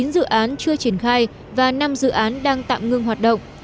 chín dự án chưa triển khai và năm dự án đang tạm ngưng hoạt động